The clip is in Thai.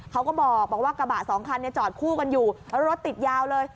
เขาก็บอกว่ากระบะสองคันจอดคู่กันอยู่แล้วรถติดยาวเลย